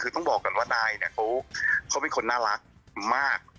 คือต้องบอกก่อนว่านายเนี่ยเขาเป็นคนน่ารักมาก